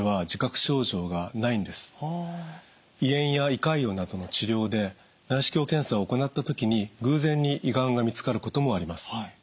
胃炎や胃潰瘍などの治療で内視鏡検査を行った時に偶然に胃がんが見つかることもあります。